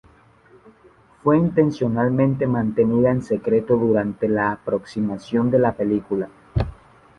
Fue intencionalmente mantenida en secreto durante la promoción de la película.